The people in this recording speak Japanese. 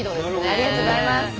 ありがとうございます。